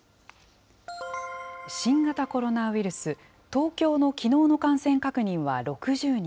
新型コロナウイルス、東京のきのうの感染確認は６０人。